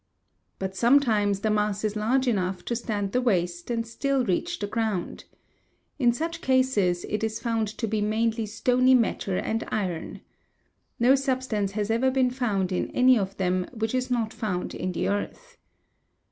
But sometimes the mass is large enough to stand the waste and still reach the ground. In such cases it is found to be mainly stony matter and iron. No substance has ever been found in any of them which is not found in the earth.